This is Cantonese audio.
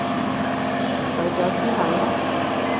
改咗之後呢？